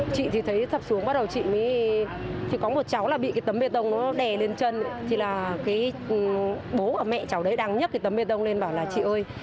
chị thấy sập xuống có một cháu bị tấm bê tông đè lên chân bố mẹ cháu đang nhấc tấm bê tông lên bảo là chị ơi